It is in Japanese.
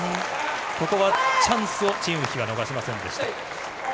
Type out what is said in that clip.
ここはチャンスをチン・ウヒが逃しませんでした。